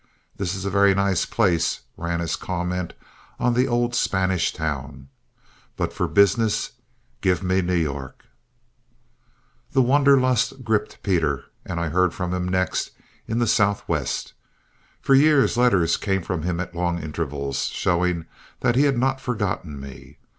"This is a very nice place," ran his comment on the old Spanish town, "but for business give me New York." The Wanderlust gripped Peter, and I heard from him next in the Southwest. For years letters came from him at long intervals, showing that he had not forgotten me.